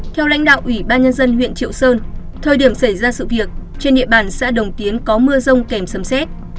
theo lãnh đạo ủy ban nhân dân huyện triệu sơn thời điểm xảy ra sự việc trên địa bàn xã đồng tiến có mưa rông kèm sấm xét